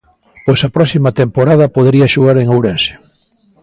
Pois a próxima temporada podería xogar en Ourense.